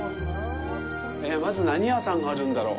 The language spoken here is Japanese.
まず、何屋さんがあるんだろう？